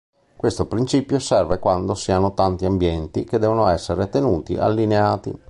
Questo principio serve quando si hanno tanti ambienti che devono essere tenuti allineati.